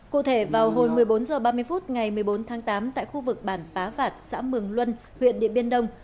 cụ thể vào hồi một mươi bốn h ba mươi phút ngày một mươi bốn tháng tám tại khu vực bản bá vạt xã mường luân huyện điện biên đông